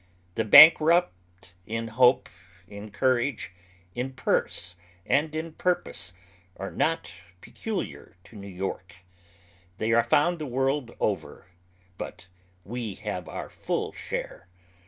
The bankrupt in hope, in courage, in purse, and in purpose, are not peculiar to Kew York. They are found the world over, but we have our full share.